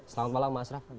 selamat malam mas asraf